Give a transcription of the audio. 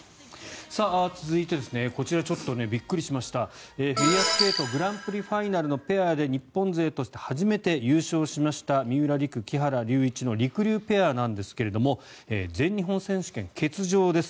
続いてこちらちょっとびっくりしましたフィギュアスケートグランプリファイナルで日本勢として初めて優勝しました三浦璃来、木原龍一のりくりゅうペアなんですが全日本選手権欠場です。